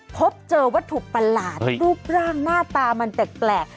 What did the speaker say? พบเจอวัตถุประหลาดรูปร่างหน้าตามันแปลก